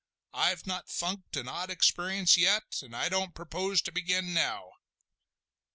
I've not funked an odd experience yet, an' I don't propose to begin now!"